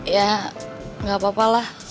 ya gak apa apalah